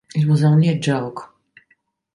It was only a joke.